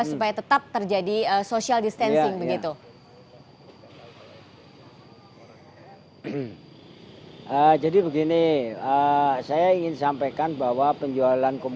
supaya tetap terjadi social distancing begitu jadi begini saya ingin sampaikan bahwa penjualan